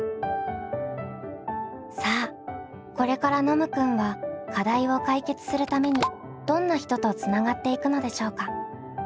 さあこれからノムくんは課題を解決するためにどんな人とつながっていくのでしょうか？